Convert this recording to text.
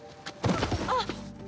あっ！